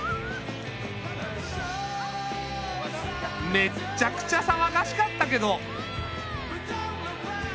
めっちゃくちゃさわがしかったけど。